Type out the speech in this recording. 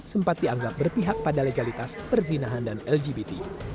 sempat dianggap berpihak pada legalitas perzinahan dan lgbt